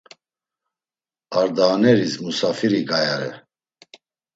Ardahaneris musafiri gayare.